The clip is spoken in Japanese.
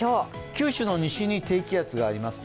九州の西に低気圧があります。